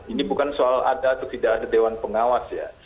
ini bukan soal ada atau tidak ada dewan pengawas ya